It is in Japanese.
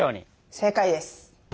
正解です。